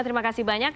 terima kasih banyak